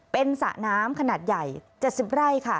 เป็นสระน้ำขนาดใหญ่๗๐ไร่ค่ะ